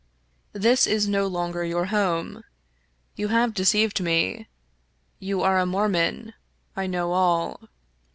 This is no longer your home. You have de ceived me. You are a Mormon. I know all.